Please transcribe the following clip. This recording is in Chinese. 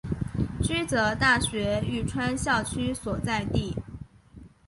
驹泽大学玉川校区所在地。